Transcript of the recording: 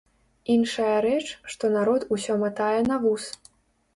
Іншая рэч, што народ усё матае на вус.